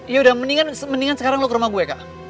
yaudah mendingan sekarang lo ke rumah gue kak